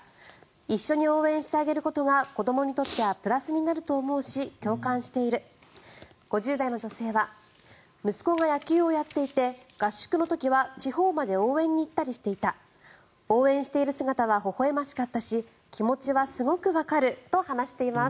一緒に応援してあげることが子どもにとってはプラスになると思うし共感している５０代の女性は息子が野球をやっていて合宿の時は地方まで応援に行ったりしていた応援している姿はほほ笑ましかったし気持ちはすごくわかると話しています。